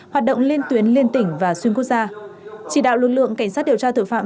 hoạt động lên tuyến liên tỉnh và xuyên quốc gia chỉ đạo lực lượng cảnh sát điều tra tội phạm